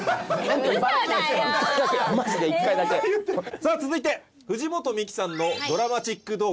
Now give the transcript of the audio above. さぁ続いて藤本美貴さんのドラマチック動画。